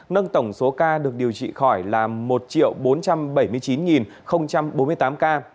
nâng tổng số ca được điều trị khỏi là một bốn trăm bảy mươi chín bốn mươi tám ca